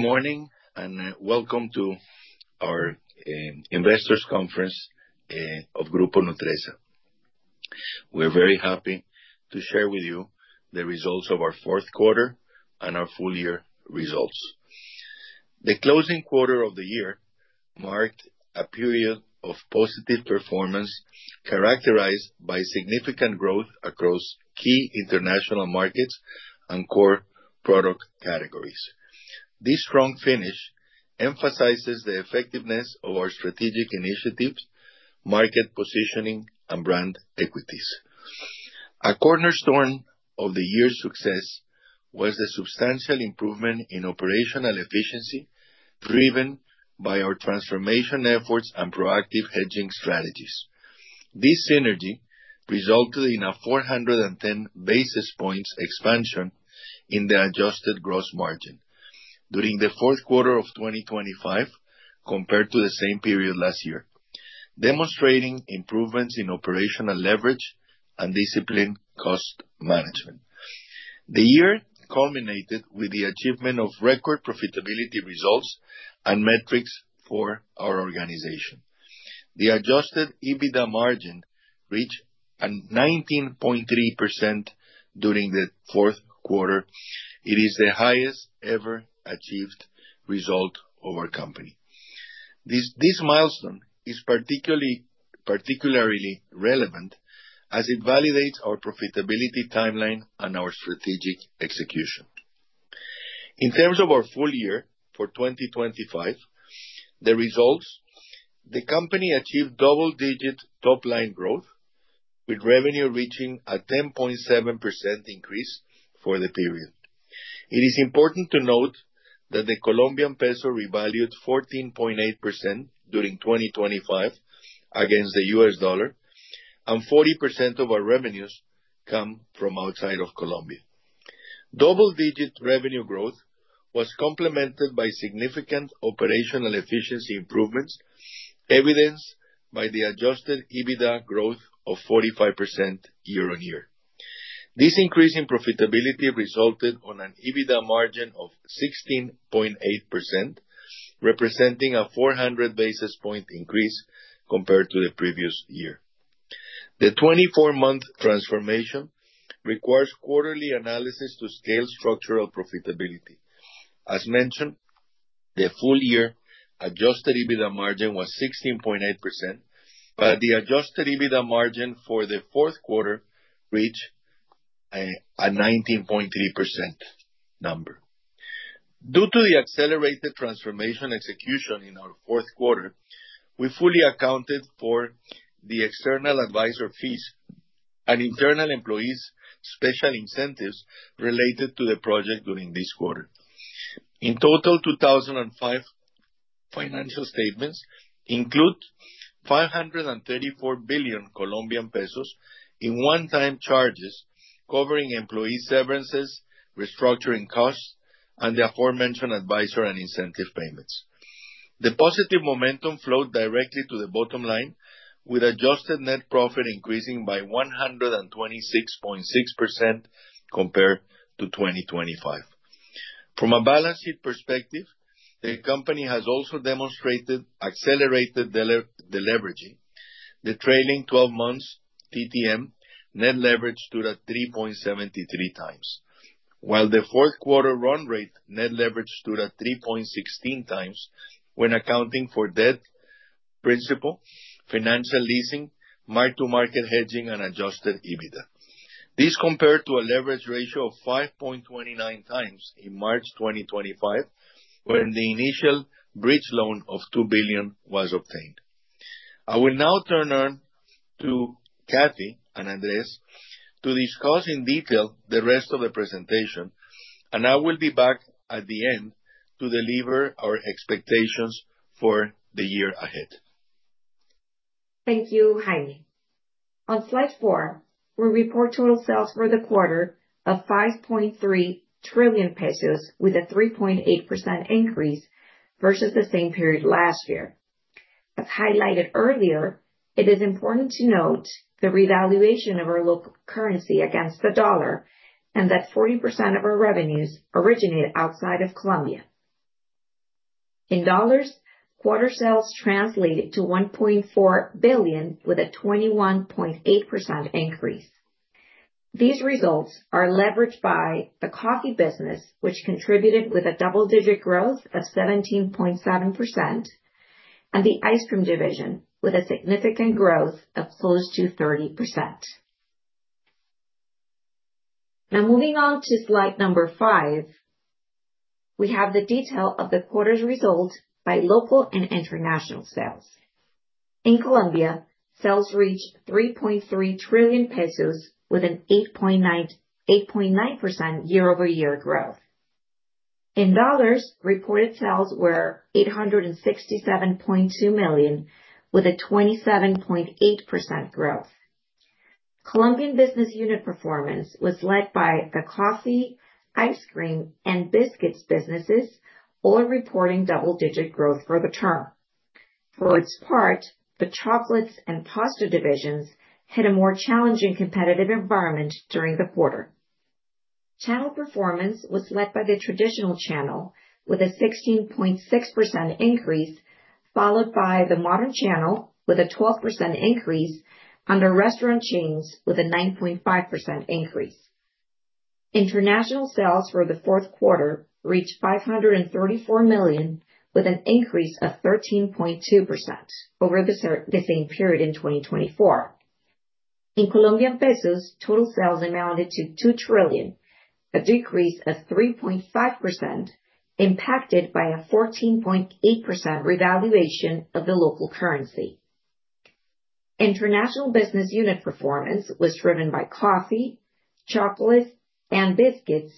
Good morning and welcome to our investors conference of Grupo Nutresa. We're very happy to share with you the results of our fourth quarter and our full year results. The closing quarter of the year marked a period of positive performance characterized by significant growth across key international markets and core product categories. This strong finish emphasizes the effectiveness of our strategic initiatives, market positioning, and brand equities. A cornerstone of the year's success was the substantial improvement in operational efficiency, driven by our transformation efforts and proactive hedging strategies. This synergy resulted in a 410 basis points expansion in the adjusted gross margin during the fourth quarter of 2025 compared to the same period last year, demonstrating improvements in operational leverage and disciplined cost management. The year culminated with the achievement of record profitability results and metrics for our organization. The adjusted EBITDA margin reached 19.3% during the fourth quarter. It is the highest ever achieved result of our company. This milestone is particularly relevant as it validates our profitability timeline and our strategic execution. In terms of our full year for 2025, the results, the company achieved double-digit top-line growth, with revenue reaching a 10.7% increase for the period. It is important to note that the Colombian peso revalued 14.8% during 2025 against the U.S. dollar, and 40% of our revenues come from outside of Colombia. Double-digit revenue growth was complemented by significant operational efficiency improvements, evidenced by the adjusted EBITDA growth of 45% year-on-year. This increase in profitability resulted in an EBITDA margin of 16.8%, representing a 400 basis point increase compared to the previous year. The 24-month transformation requires quarterly analysis to scale structural profitability. As mentioned, the full year adjusted EBITDA margin was 16.8%, but the adjusted EBITDA margin for the fourth quarter reached a 19.3% number. Due to the accelerated transformation execution in our fourth quarter, we fully accounted for the external advisor fees and internal employees' special incentives related to the project during this quarter. In total, 2025 financial statements include COP 534 billion in one-time charges covering employee severances, restructuring costs, and the aforementioned advisor and incentive payments. The positive momentum flowed directly to the bottom line, with adjusted net profit increasing by 126.6% compared to 2025. From a balance sheet perspective, the company has also demonstrated accelerated deleveraging. The trailing twelve months TTM net leverage stood at 3.73 times, while the fourth quarter run rate net leverage stood at 3.16 times when accounting for debt, principal, financial leasing, mark-to-market hedging, and adjusted EBITDA. This compared to a leverage ratio of 5.29 times in March 2025, when the initial bridge loan of COP 2 billion was obtained. I will now turn over to Cathy and Andrés to discuss in detail the rest of the presentation, and I will be back at the end to deliver our expectations for the year ahead. Thank you, Jaime. On slide four, we report total sales for the quarter of COP 5.3 trillion with a 3.8% increase versus the same period last year. As highlighted earlier, it is important to note the revaluation of our local currency against the dollar and that 40% of our revenues originate outside of Colombia. In dollars, quarter sales translated to $1.4 billion with a 21.8% increase. These results are leveraged by the coffee business, which contributed with a double-digit growth of 17.7%, and the ice cream division with a significant growth of close to 30%. Now, moving on to slide five, we have the detail of the quarter's results by local and international sales. In Colombia, sales reached COP 3.3 trillion with an 8.9% year-over-year growth. In dollars, reported sales were $867.2 million with a 27.8% growth. Colombian business unit performance was led by the Coffee, Ice Cream, and Biscuits businesses, all reporting double-digit growth for the term. For its part, the Chocolates and Pasta divisions had a more challenging competitive environment during the quarter. Channel performance was led by the traditional channel with a 16.6% increase, followed by the modern channel with a 12% increase, under restaurant chains with a 9.5% increase. International sales for the fourth quarter reached $534 million, with an increase of 13.2% over the same period in 2024. In Colombian pesos, total sales amounted to COP 2 trillion, a decrease of 3.5% impacted by a 14.8% revaluation of the local currency. International business unit performance was driven by Coffee, Chocolates, and Biscuits,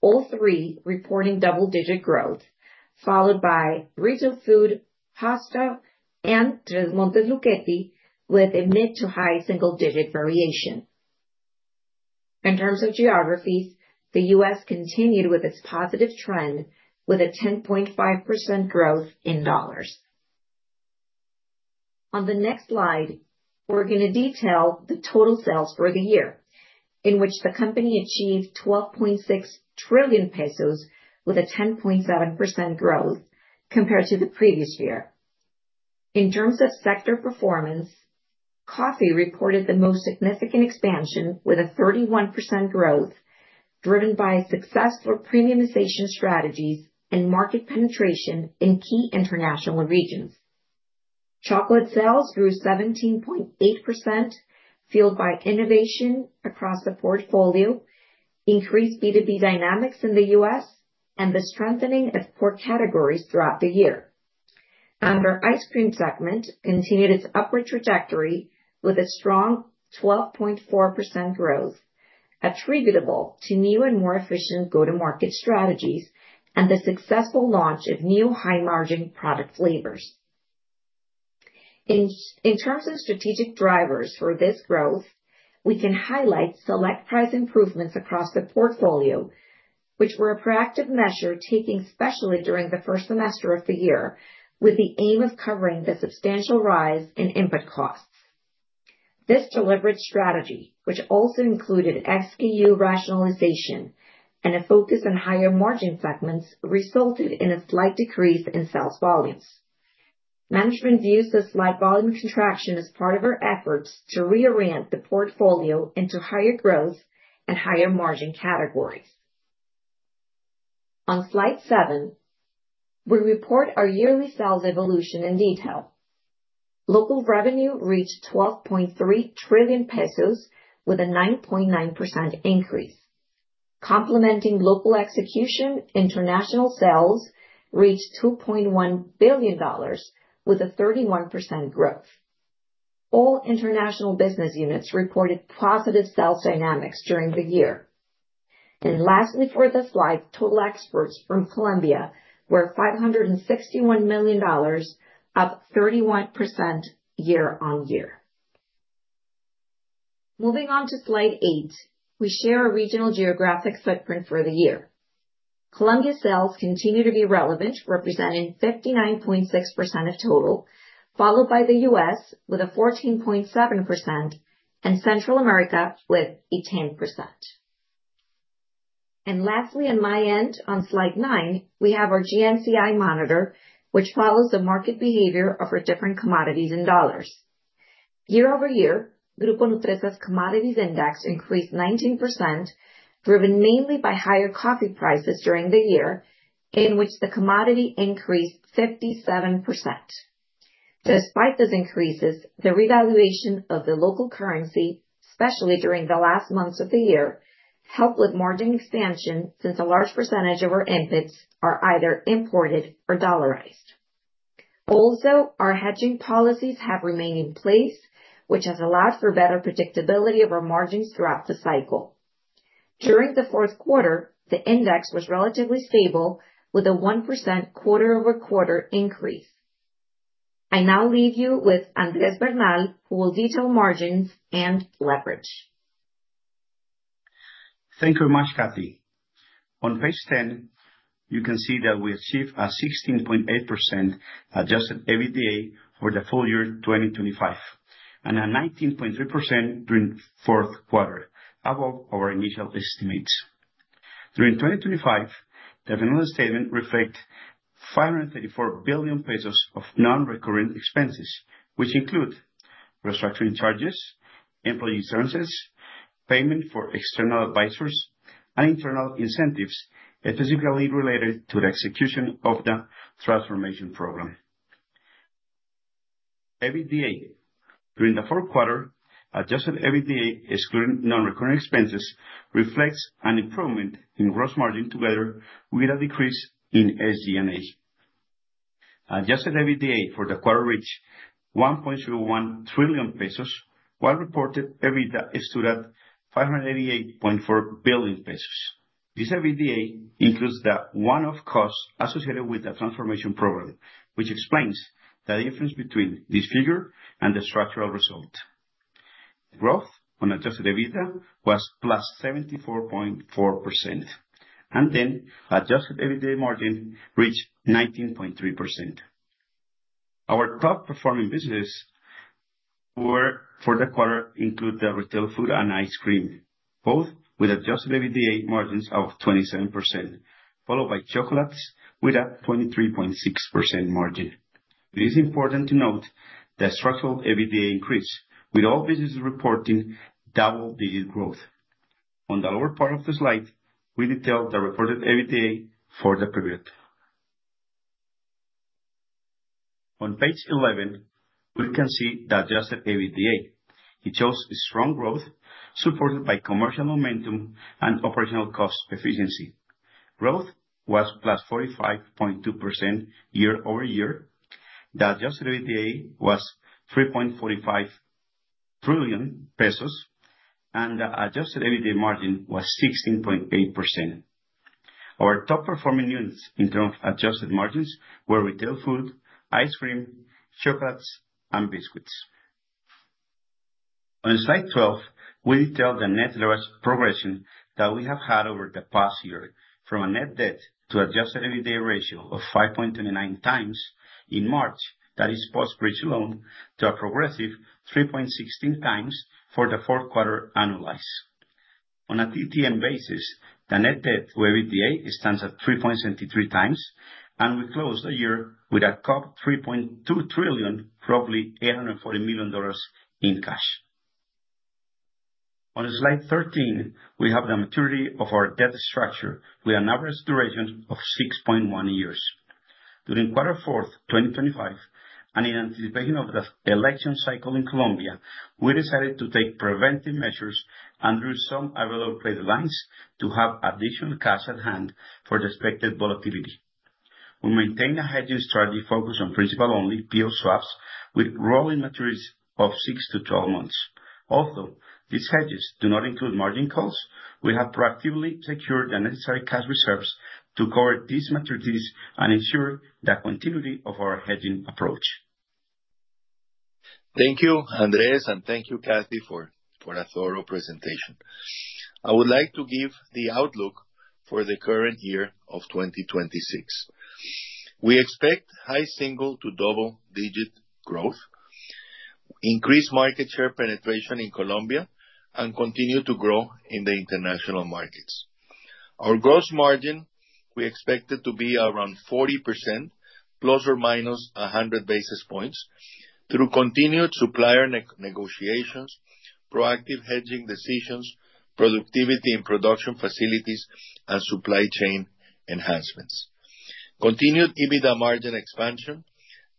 all three reporting double-digit growth, followed by frozen food, Pasta, and Tresmontes Lucchetti with a mid to high single digit variation. In terms of geographies, the U.S. continued with its positive trend with a 10.5% growth in dollars. On the next slide, we're gonna detail the total sales for the year, in which the company achieved COP 12.6 trillion with a 10.7% growth compared to the previous year. In terms of sector performance, Coffee reported the most significant expansion with a 31% growth, driven by successful premiumization strategies and market penetration in key international regions. Chocolates sales grew 17.8%, fueled by innovation across the portfolio, increased B2B dynamics in the U.S., and the strengthening of core categories throughout the year. Our Ice Cream segment continued its upward trajectory with a strong 12.4% growth attributable to new and more efficient go-to-market strategies and the successful launch of new high-margin product flavors. In terms of strategic drivers for this growth, we can highlight select price improvements across the portfolio, which were a proactive measure taken especially during the first semester of the year with the aim of covering the substantial rise in input costs. This deliberate strategy, which also included SKU rationalization and a focus on higher margin segments, resulted in a slight decrease in sales volumes. Management views the slight volume contraction as part of our efforts to reorient the portfolio into higher growth and higher margin categories. On slide seven, we report our yearly sales evolution in detail. Local revenue reached COP 12.3 trillion with a 9.9% increase. Complementing local execution, international sales reached $2.1 billion with a 31% growth. All international business units reported positive sales dynamics during the year. Lastly for this slide, total exports from Colombia were $561 million, up 31% year-on-year. Moving on to slide eight, we share our regional geographic footprint for the year. Colombia sales continue to be relevant, representing 59.6% of total, followed by the U.S. with a 14.7%, and Central America with a 10%. Lastly, on my end, on slide nine, we have our GMCI monitor, which follows the market behavior of our different commodities in dollars. Year-over-year, Grupo Nutresa's commodities index increased 19%, driven mainly by higher coffee prices during the year, in which the commodity increased 57%. Despite those increases, the revaluation of the local currency, especially during the last months of the year, helped with margin expansion since a large percentage of our inputs are either imported or dollarized. Our hedging policies have remained in place, which has allowed for better predictability of our margins throughout the cycle. During the fourth quarter, the index was relatively stable with a 1% quarter-over-quarter increase. I now leave you with Andrés Bernal, who will detail margins and leverage. Thank you very much, Katie. On page 10, you can see that we achieved a 16.8% adjusted EBITDA for the full year 2025, and a 19.3% during fourth quarter, above our initial estimates. During 2025, the annual statement reflect COP 534 billion of non-recurrent expenses, which include restructuring charges, employee incentives, payment for external advisors, and internal incentives specifically related to the execution of the transformation program. During the fourth quarter, adjusted EBITDA excluding non-recurring expenses reflects an improvement in gross margin together with a decrease in SG&A. Adjusted EBITDA for the quarter reached COP 1.01 trillion, while reported EBITDA stood at COP 588.4 billion. This EBITDA includes the one-off costs associated with the transformation program, which explains the difference between this figure and the structural result. Growth on adjusted EBITDA was +74.4%. Adjusted EBITDA margin reached 19.3%. Our top performing businesses were, for the quarter, including the Retail Food and Ice Cream, both with adjusted EBITDA margins of 27%, followed by Chocolates with a 23.6% margin. It is important to note the structural EBITDA increase, with all businesses reporting double-digit growth. On the lower part of the slide, we detail the reported EBITDA for the period. On page 11, we can see the adjusted EBITDA. It shows a strong growth supported by commercial momentum and operational cost efficiency. Growth was +45.2% year-over-year. The adjusted EBITDA was COP 3.45 trillion, and the adjusted EBITDA margin was 16.8%. Our top performing units in terms of adjusted margins were Retail Food, Ice Cream, Chocolates, and Biscuits. On slide 12, we detail the net leverage progression that we have had over the past year, from a net debt to adjusted EBITDA ratio of 5.29x in March, that is post bridge loan, to a progressive 3.16x for the fourth quarter annualized. On a TTM basis, the net debt to EBITDA stands at 3.73x, and we closed the year with a COP 3.2 trillion, roughly $840 million in cash. On slide 13, we have the maturity of our debt structure with an average duration of 6.1 years. During fourth quarter 2025, and in anticipation of the election cycle in Colombia, we decided to take preventive measures and drew some available credit lines to have additional cash at hand for the expected volatility. We maintain a hedging strategy focused on principal only PO swaps, with rolling maturities of 6-12 months. Although these hedges do not include margin calls, we have proactively secured the necessary cash reserves to cover these maturities and ensure the continuity of our hedging approach. Thank you, Andrés, and thank you, Cathy, for a thorough presentation. I would like to give the outlook for the current year of 2026. We expect high single- to double-digit growth, increase market share penetration in Colombia, and continue to grow in the international markets. Our gross margin, we expect it to be around 40% ±100 basis points through continued supplier negotiations, proactive hedging decisions, productivity and production facilities, and supply chain enhancements. Continued EBITDA margin expansion,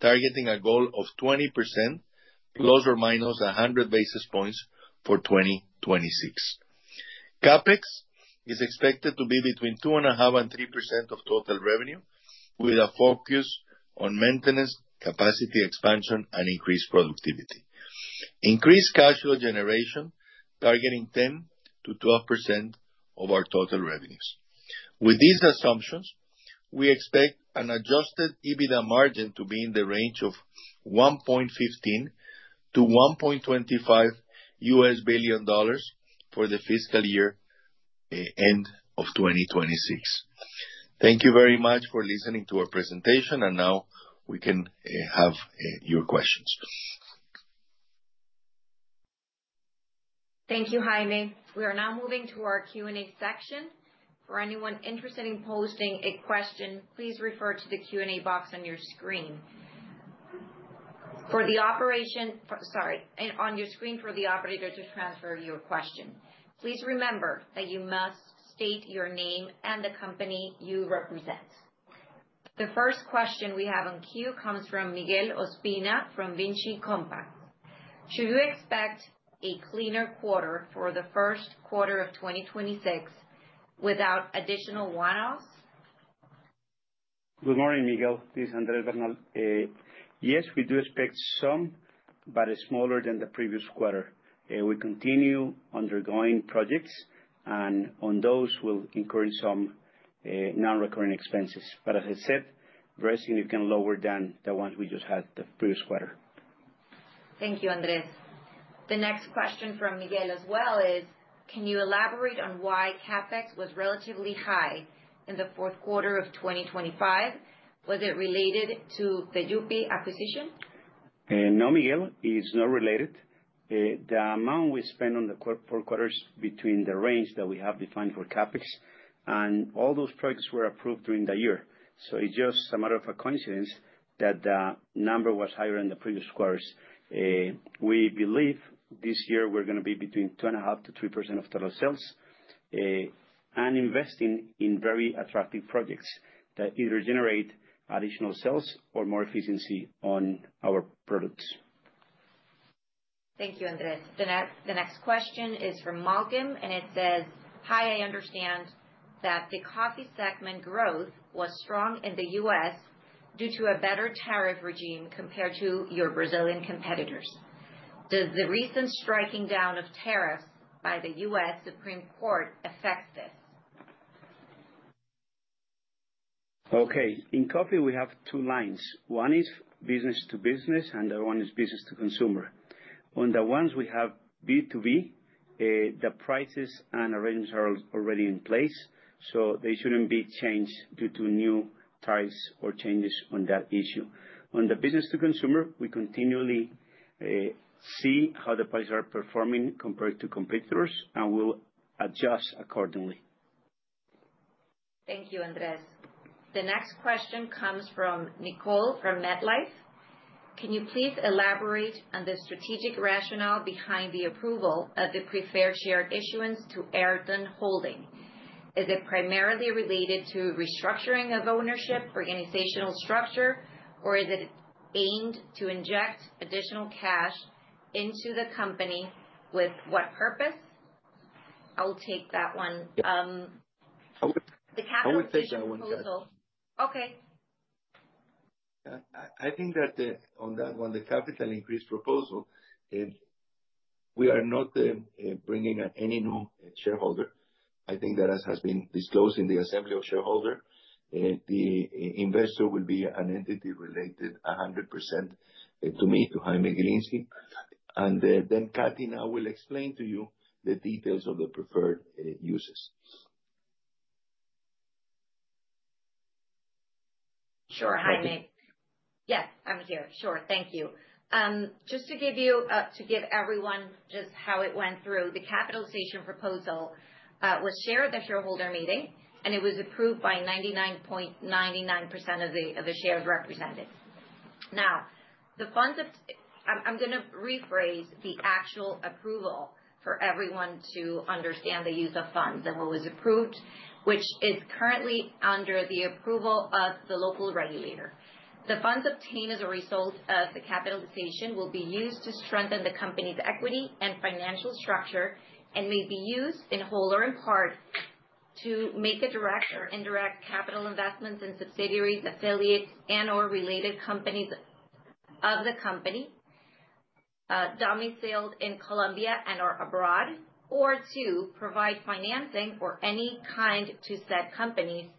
targeting a goal of 20% ±100 basis points for 2026. CapEx is expected to be between 2.5%-3% of total revenue, with a focus on maintenance, capacity expansion, and increased productivity. Increased cash flow generation, targeting 10%-12% of our total revenues. With these assumptions, we expect adjusted EBITDA to be in the range of $1.15 billion-$1.25 billion for the fiscal year end of 2026. Thank you very much for listening to our presentation. Now we can have your questions. Thank you, Jaime. We are now moving to our Q&A section. For anyone interested in posting a question, please refer to the Q&A box on your screen. On your screen for the operator to transfer your question. Please remember that you must state your name and the company you represent. The first question we have on queue comes from Miguel Ospina from Vinci Compass. Should you expect a cleaner quarter for the first quarter of 2026 without additional one-offs? Good morning, Miguel. This is Andrés Bernal. Yes, we do expect some, but it's smaller than the previous quarter. We continue undertaking projects and on those we'll incur some nonrecurring expenses. As I said, rest assured, they'll be lower than the ones we just had the previous quarter. Thank you, Andrés. The next question from Miguel as well is, can you elaborate on why CapEx was relatively high in the fourth quarter of 2025? Was it related to the UP acquisition? No, Miguel, it is not related. The amount we spent on four quarters between the range that we have defined for CapEx and all those projects were approved during the year. It's just a matter of a coincidence that the number was higher in the previous quarters. We believe this year we're gonna be between 2.5%-3% of total sales, and investing in very attractive projects that either generate additional sales or more efficiency on our products. Thank you, Andrés. The next question is from Malcolm, and it says, "Hi, I understand that the Coffee segment growth was strong in the U.S. due to a better tariff regime compared to your Brazilian competitors. Does the recent striking down of tariffs by the U.S. Supreme Court affect this? Okay. In Coffee, we have two lines. One is business to business, and the one is business to consumer. On the ones we have B2B, the prices and arrangements are already in place, so they shouldn't be changed due to new tariffs or changes on that issue. On the business to consumer, we continually see how the prices are performing compared to competitors, and we'll adjust accordingly. Thank you, Andrés. The next question comes from Nicole from MetLife. Can you please elaborate on the strategic rationale behind the approval of the preferred share issuance to Greystone Holdings? Is it primarily related to restructuring of ownership, organizational structure, or is it aimed to inject additional cash into the company? With what purpose? I'll take that one. I would- The capital increase proposal. I would take that one, Cathy. Okay. I think that on that one, the capital increase proposal, we are not bringing on any new shareholder. I think that has been disclosed in the assembly of shareholder. The investor will be an entity related 100% to me, to Jaime Gilinski. Cathy, I will explain to you the details of the preferred uses. Sure. Jaime. Yes, I'm here. Sure. Thank you. Just to give everyone just how it went through, the capitalization proposal was shared at the shareholder meeting, and it was approved by 99.99% of the shares represented. Now, I'm gonna rephrase the actual approval for everyone to understand the use of funds and what was approved, which is currently under the approval of the local regulator. The funds obtained as a result of the capitalization will be used to strengthen the company's equity and financial structure. May be used in whole or in part to make a direct or indirect capital investments in subsidiaries, affiliates, and/or related companies of the company, domiciled in Colombia and/or abroad. Or two, provide financing for any kind to said companies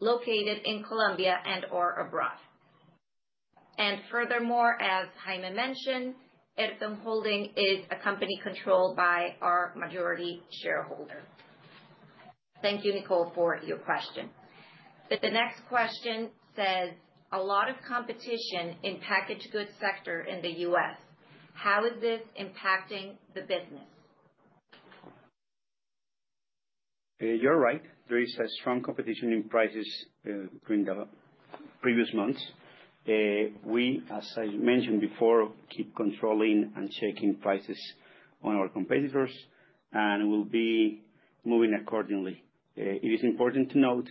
located in Colombia and/or abroad. Furthermore, as Jaime mentioned, Greystone Holdings is a company controlled by our majority shareholder. Thank you, Nicole, for your question. The next question says, a lot of competition in packaged goods sector in the U.S. How is this impacting the business? You're right. There is a strong competition in prices during the previous months. We, as I mentioned before, keep controlling and checking prices on our competitors, and we'll be moving accordingly. It is important to note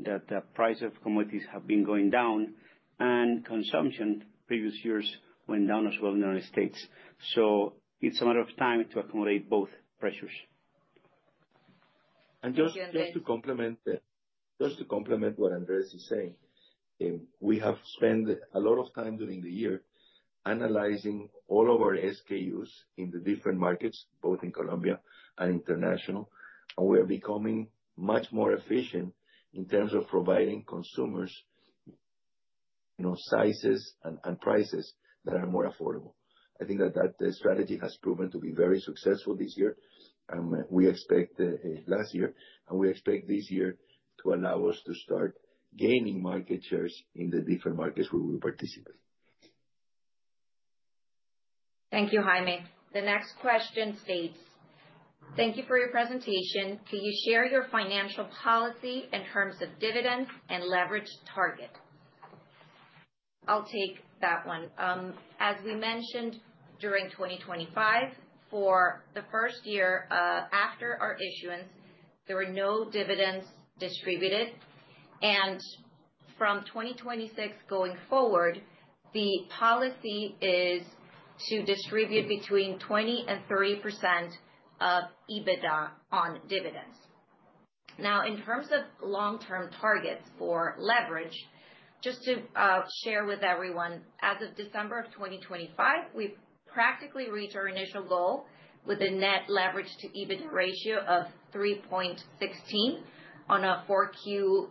that the price of commodities have been going down and consumption in previous years went down as well in the United States. It's a matter of time to accommodate both pressures. To complement what Andrés is saying, we have spent a lot of time during the year analyzing all of our SKUs in the different markets, both in Colombia and international. We are becoming much more efficient in terms of providing consumers, you know, sizes and prices that are more affordable. I think that strategy has proven to be very successful last year, and we expect this year to allow us to start gaining market shares in the different markets where we participate. Thank you, Jaime. The next question states: Thank you for your presentation. Can you share your financial policy in terms of dividends and leverage target? I'll take that one. As we mentioned during 2025, for the first year, after our issuance, there were no dividends distributed. From 2026 going forward, the policy is to distribute between 20%-30% of EBITDA on dividends. Now, in terms of long-term targets for leverage, just to share with everyone, as of December of 2025, we've practically reached our initial goal with a net leverage to EBITDA ratio of 3.16 on a 4Q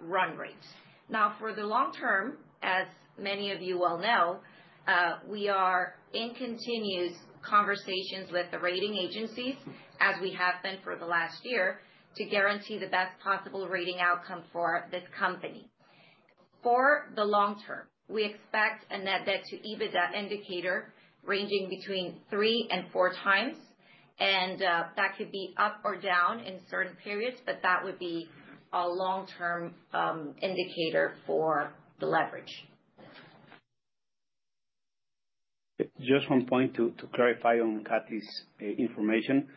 run rate. Now, for the long term, as many of you well know, we are in continuous conversations with the rating agencies, as we have been for the last year, to guarantee the best possible rating outcome for this company. For the long term, we expect a net debt to EBITDA indicator ranging between three and four times, and that could be up or down in certain periods, but that would be a long-term indicator for the leverage. Just one point to clarify on Cathy's information.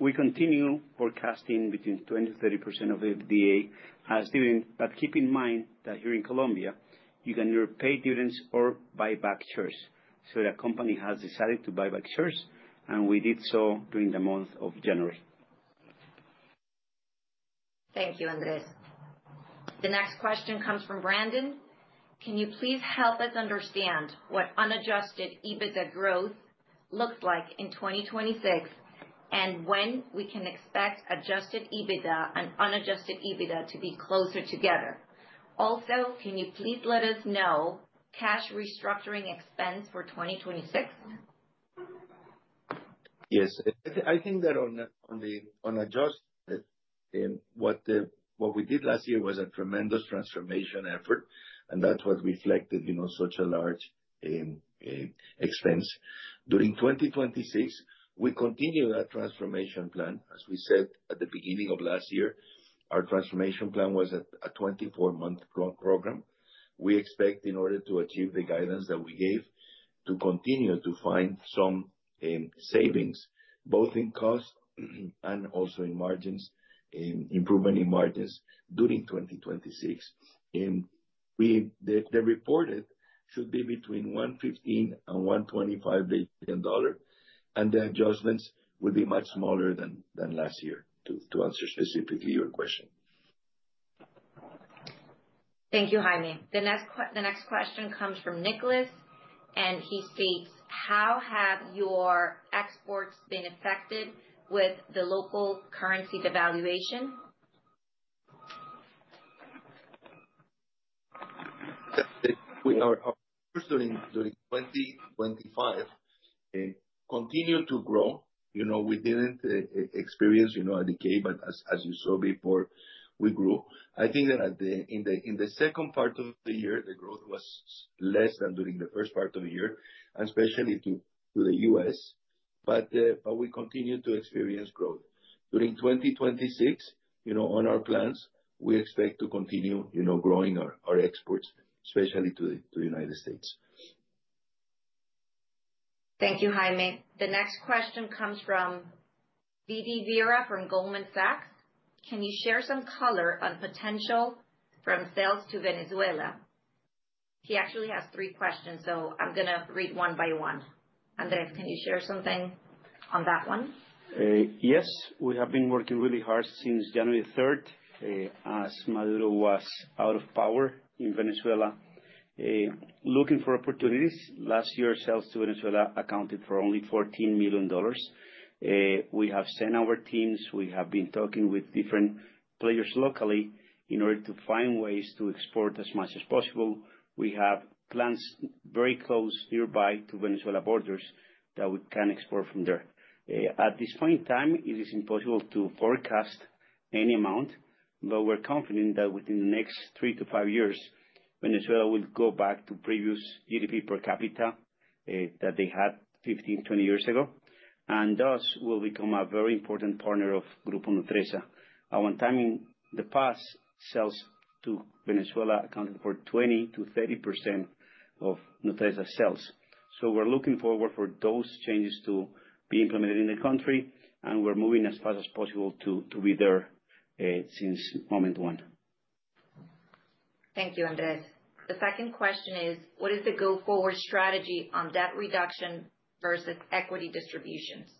We continue forecasting between 20%-30% of the EBITDA as doable. Keep in mind that here in Colombia, you can either pay dividends or buy back shares. The company has decided to buy back shares, and we did so during the month of January. Thank you, Andrés. The next question comes from Brandon. Can you please help us understand what unadjusted EBITDA growth looks like in 2026, and when we can expect adjusted EBITDA and unadjusted EBITDA to be closer together? Also, can you please let us know cash restructuring expense for 2026? Yes. I think that on the unadjusted, what we did last year was a tremendous transformation effort, and that was reflected in, you know, such a large expense. During 2026, we continue that transformation plan. As we said at the beginning of last year, our transformation plan was a 24-month program. We expect, in order to achieve the guidance that we gave, to continue to find some savings, both in cost and also in margins, in improvement in margins during 2026. The reported should be between $1.15 billion and $1.25 billion, and the adjustments will be much smaller than last year, to answer specifically your question. Thank you, Jaime. The next question comes from Nicholas, and he states, "How have your exports been affected with the local currency devaluation? During 2025, we continued to grow. You know, we didn't experience, you know, a decay, but as you saw before, we grew. I think that in the second part of the year, the growth was less than during the first part of the year, and especially to the U.S. We continued to experience growth. During 2026, you know, on our plans, we expect to continue, you know, growing our exports, especially to the United States. Thank you, Jaime. The next question comes from Didi Vera from Goldman Sachs. Can you share some color on potential sales to Venezuela? He actually has three questions, so I'm gonna read one by one. Andrés, can you share something on that one? Yes. We have been working really hard since January third, as Maduro was out of power in Venezuela, looking for opportunities. Last year, sales to Venezuela accounted for only $14 million. We have sent our teams. We have been talking with different players locally in order to find ways to export as much as possible. We have plants very close nearby to Venezuela borders that we can export from there. At this point in time it is impossible to forecast any amount, but we're confident that within the next 3-5 years, Venezuela will go back to previous GDP per capita that they had 15-20 years ago, and thus will become a very important partner of Grupo Nutresa. At one time in the past, sales to Venezuela accounted for 20%-30% of Nutresa sales. We're looking forward for those changes to be implemented in the country, and we're moving as fast as possible to be there since moment one. Thank you, Andrés. The second question is: What is the go-forward strategy on debt reduction versus equity distributions?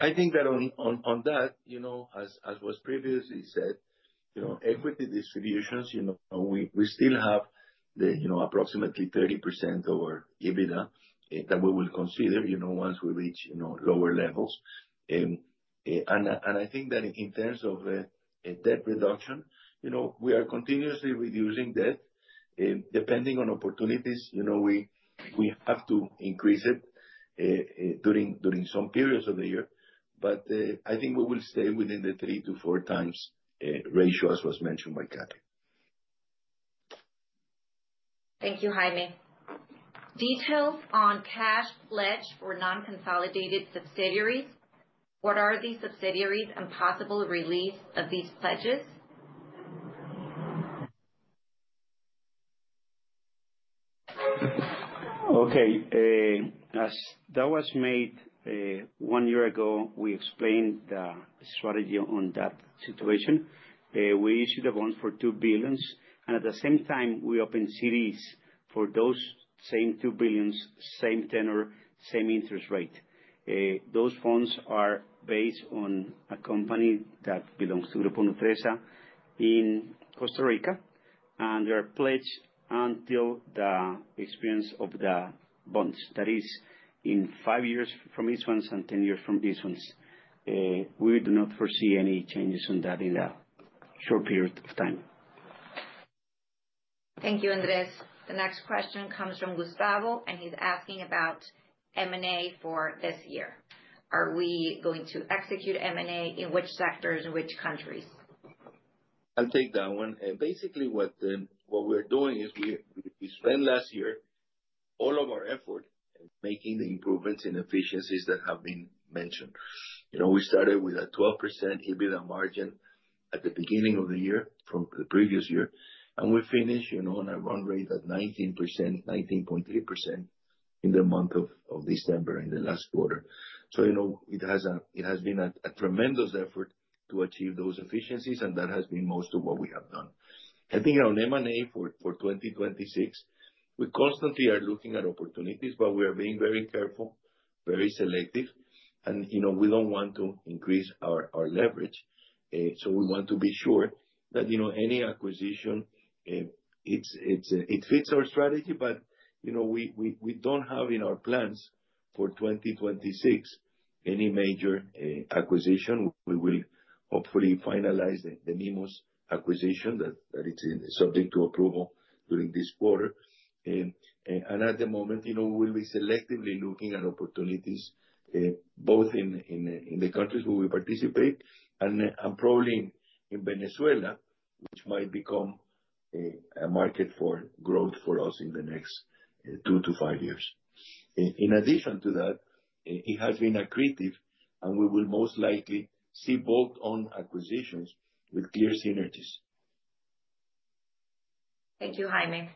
I think that on that, you know, as was previously said, you know, equity distributions, you know, we still have approximately 30% of our EBITDA that we will consider, you know, once we reach, you know, lower levels. I think that in terms of debt reduction, you know, we are continuously reducing debt. Depending on opportunities, you know, we have to increase it during some periods of the year. I think we will stay within the 3-4 times ratio, as was mentioned by Katie. Thank you, Jaime. Details on cash pledged for non-consolidated subsidiaries? What are these subsidiaries and possible release of these pledges? Okay. As that was made 1 year ago, we explained the strategy on that situation. We issued a bond for COP 2 billion, and at the same time, we opened CDs for those same COP 2 billion, same tenure, same interest rate. Those funds are placed in a company that belongs to Grupo Nutresa in Costa Rica, and they are pledged until the expiration of the bonds. That is in 5 years from these ones and 10 years from these ones. We do not foresee any changes on that in a short period of time. Thank you, Andrés. The next question comes from Gustavo, and he's asking about M&A for this year. Are we going to execute M&A? In which sectors? In which countries? I'll take that one. Basically what we're doing is we spent last year all of our effort making the improvements in efficiencies that have been mentioned. You know, we started with a 12% EBITDA margin at the beginning of the year from the previous year, and we finished, you know, on a run rate at 19%, 19.3% in the month of December in the last quarter. You know, it has been a tremendous effort to achieve those efficiencies, and that has been most of what we have done. I think on M&A for 2026, we constantly are looking at opportunities, but we are being very careful, very selective, and you know, we don't want to increase our leverage. We want to be sure that you know, any acquisition it fits our strategy, but you know, we don't have in our plans for 2026 any major acquisition. We will hopefully finalize the Mimo's acquisition that is subject to approval during this quarter. At the moment, you know, we'll be selectively looking at opportunities both in the countries where we participate and probably in Venezuela, which might become a market for growth for us in the next 2-5 years. In addition to that, it has been accretive, and we will most likely see bolt-on acquisitions with clear synergies. Thank you, Jaime.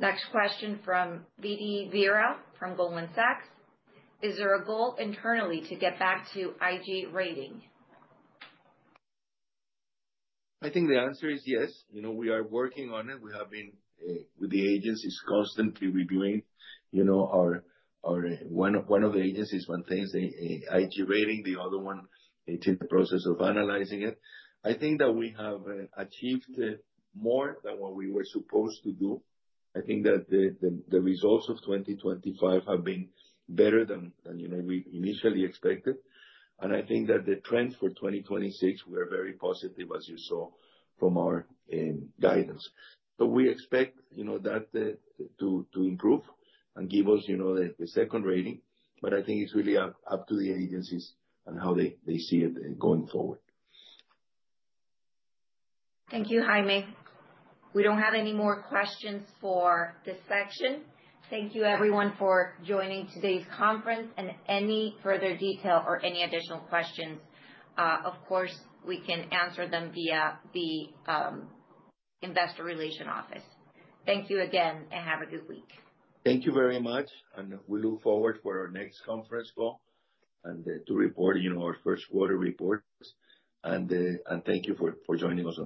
Next question from Didi Vera from Goldman Sachs. Is there a goal internally to get back to IG rating? I think the answer is yes. You know, we are working on it. We have been with the agencies constantly reviewing, you know, our. One of the agencies maintains the IG rating, the other one is in the process of analyzing it. I think that we have achieved more than what we were supposed to do. I think that the results of 2025 have been better than you know, we initially expected. I think that the trends for 2026 were very positive, as you saw from our guidance. We expect you know, that to improve and give us you know, the second rating. I think it's really up to the agencies on how they see it going forward. Thank you, Jaime. We don't have any more questions for this section. Thank you everyone for joining today's conference, and any further detail or any additional questions, of course, we can answer them via the Investor Relations Office. Thank you again, and have a good week. Thank you very much, and we look forward for our next conference call and to report, you know, our first quarter reports. Thank you for joining us.